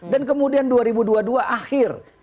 dan kemudian dua ribu dua puluh dua akhir